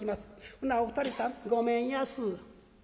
ほなお二人さんごめんやす」。